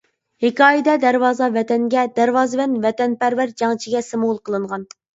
ھېكايىدە دەرۋازا ۋەتەنگە، دەرۋازىۋەن ۋەتەنپەرۋەر جەڭچىگە سىمۋول قىلىنغان.